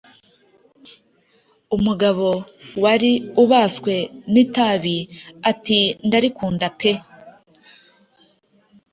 Umugabo wari uwabaswe n’ itabi ati ndarikunda pe